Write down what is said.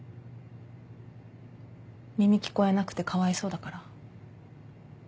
耳聞こえなくてかわいそうだから？